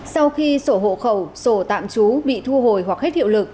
sau khi sổ hộ khẩu sổ tạm trú bị thu hồi hoặc hết hiệu lực